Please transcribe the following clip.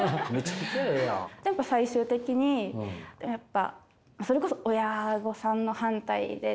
やっぱ最終的にそれこそ親御さんの反対で。